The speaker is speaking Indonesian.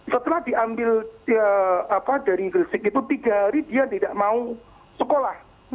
setelah diambil dari gresik itu tiga hari dia tidak mau sekolah